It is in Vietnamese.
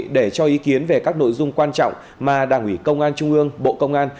để cho ý kiến về các nội dung quan trọng mà đảng ủy công an trung ương bộ công an